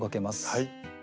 はい。